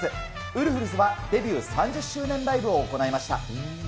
ウルフルズはデビュー３０周年ライブを行いました。